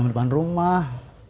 di bandung depan rumah